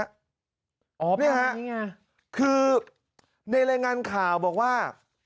นี่ฮะนี่ไงคือในรายงานข่าวบอกว่า